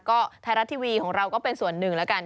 ก็ไทยรัฐทีวีของเราก็เป็นส่วนหนึ่งแล้วกัน